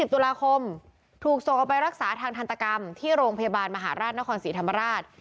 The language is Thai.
ตุลาคมถูกส่งออกไปรักษาทางทันตกรรมที่โรงพยาบาลมหาราชนครศรีธรรมราช